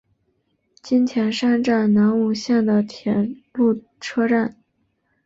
津田山站南武线的铁路车站。